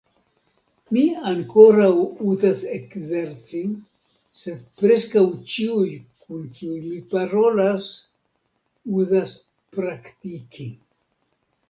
Mi ankoraŭ uzas ekzerci, sed preskaŭ ĉiuj kun kiuj mi parolas uzas praktiki.